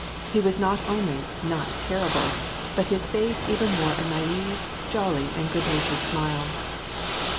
He was not only not terrible, but his face even wore a naive, jolly, and good uatured smile.